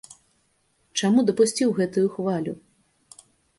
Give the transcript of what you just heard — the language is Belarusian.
Чаму дапусціў гэтаю хвалю?